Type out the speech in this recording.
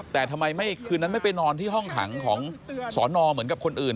แต่ทำไมไม่คืนนั้นไม่ไปนอนที่ห้องขังของสอนอเหมือนกับคนอื่น